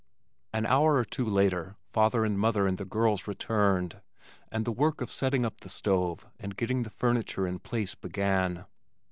An hour or two later father and mother and the girls returned and the work of setting up the stove and getting the furniture in place began.